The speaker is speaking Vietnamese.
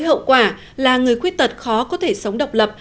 hậu quả là người khuyết tật khó có thể sống độc lập